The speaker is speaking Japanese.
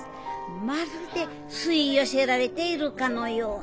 まるで吸い寄せられているかのように。